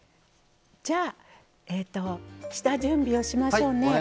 下準備をしましょうね。